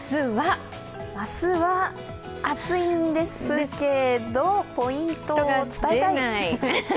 明日は暑いんですけど、ポイントを伝えたい。